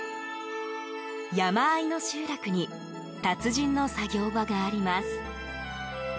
山あいの集落に達人の作業場があります。